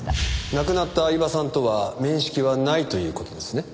亡くなった饗庭さんとは面識はないという事ですね？